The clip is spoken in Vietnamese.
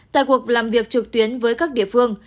tại cuộc làm việc trực tuyến với các địa phương